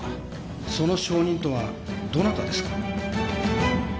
・その証人とはどなたですか？